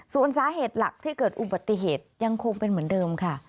ส่วนสาเหตุหลักที่เกิดอุบัติเหตุยังคงเป็นเหมือนเดิมค่ะ